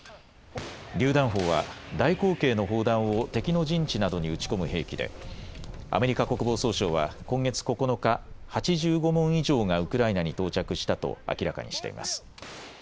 りゅう弾砲は大口径の砲弾を敵の陣地などに撃ち込む兵器でアメリカ国防総省は今月９日、８５門以上がウクライナに到着したと明らかにしています。